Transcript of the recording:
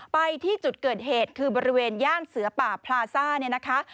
ไปที่จุดเกิดเหตุคือบริเวณย่านเสื้อป่าพลาซ่า